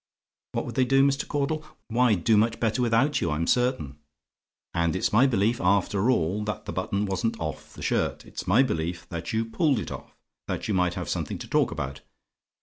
"WHAT WOULD THEY DO, MR. CAUDLE? "Why, do much better without you, I'm certain. "And it's my belief, after all, that the button wasn't off the shirt; it's my belief that you pulled it off, that you might have something to talk about.